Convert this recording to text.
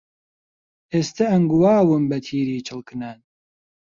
ئێستە ئەنگواوم بەتیری چڵکنان